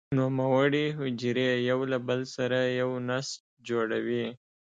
نوموړې حجرې یو له بل سره یو نسج جوړوي.